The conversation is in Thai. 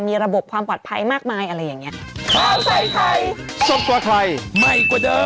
มีระบบความปลอดภัยมากมายอะไรอย่างนี้